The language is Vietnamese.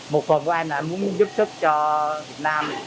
một phần của anh là em muốn giúp sức cho việt nam